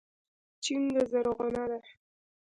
چينکه زرغونه ده